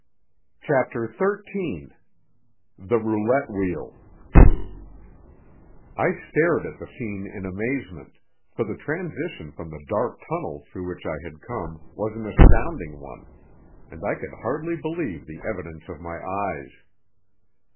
CHAPTER XIII THE ROULETTE WHEEL I stared at the scene in amazement, for the transition from the dark tunnel through which I had come was an astounding one, and I could hardly believe the evidence of my eyes.